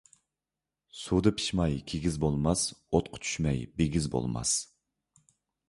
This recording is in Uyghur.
سۇدا پىىشماي كىگىز بولماس، ئوتقا چۈشمەي بىگىز بولماس.